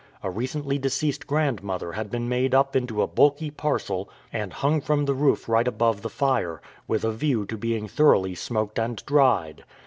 A recently deceased gi andmother had been made up into a bulky parcel and hung from the roof right above the fire, with a view to being thoroughly smoked and dried.